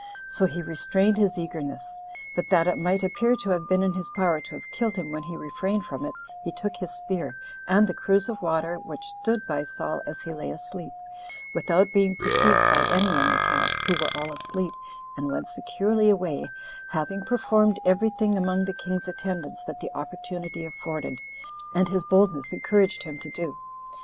So he restrained his eagerness; but that it might appear to have been in his power to have killed him when he refrained from it, he took his spear, and the cruse of water which stood by Saul as he lay asleep, without being perceived by any in the camp, who were all asleep, and went securely away, having performed every thing among the king's attendants that the opportunity afforded, and his boldness encouraged him to do.